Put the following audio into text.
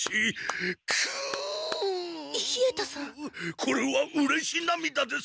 これはうれしなみだです。